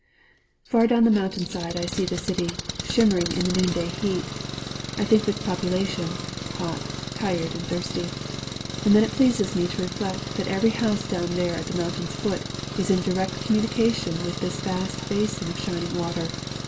Far down the mountain side I see the city, shimmering in the noonday heat. I think of its population, hot, tired and thirsty. And then it pleases me to reflect that every house down there at the mountain's foot is in direct communication with this vast basin of shining water.